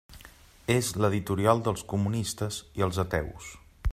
És l'editorial dels comunistes i els ateus.